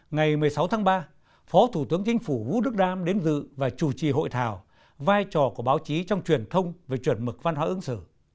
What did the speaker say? ngày một mươi sáu tháng ba phó thủ tướng chính phủ vũ đức đam đến dự và chủ trì hội thảo vai trò của báo chí trong truyền thông về chuẩn mực văn hóa ứng xử